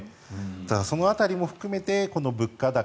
その辺りも含めて物価高